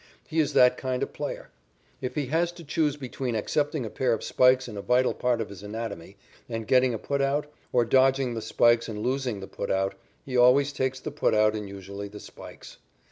He is that kind of player. If he has to choose between accepting a pair of spikes in a vital part of his anatomy and getting a put out, or dodging the spikes and losing the put out, he always takes the put out and usually the spikes.